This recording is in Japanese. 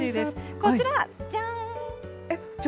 こちら、じゃん。